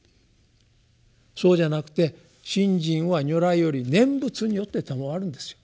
そうじゃなくて信心は如来より念仏によってたまわるんですよ。